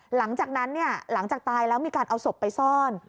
หลังจากนั้นหลังจากตายแล้วมีการเอาศพไปซ่อน